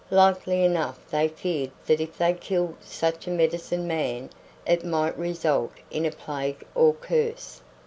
Likely enough they feared that if they killed such a medicine man it might result in a plague or curse."